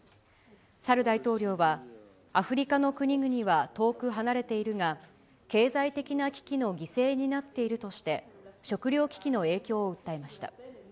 サル大統領は、アフリカの国々は遠く離れているが、経済的な危機の犠牲になっているとして、食料危機の影響を訴えました。